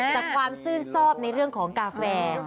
จากความชื่นชอบในเรื่องของกาแฟ